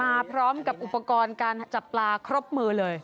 มาพร้อมกับอุปกรณ์การจับปลาครบมือเลย